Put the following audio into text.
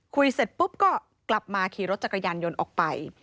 เสร็จปุ๊บก็กลับมาขี่รถจักรยานยนต์ออกไป